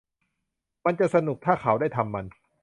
มันจะสนุกถ้าเขาได้ทำมัน